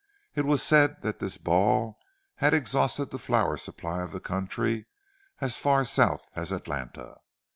(It was said that this ball had exhausted the flower supply of the country as far south as Atlanta.)